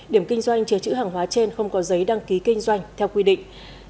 điểm kinh doanh chứa chữ hàng hóa trên không có giấy đăng ký kinh doanh theo quy định